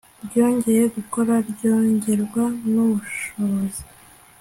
ryongeye gukora ryongererwa n'ubushobozi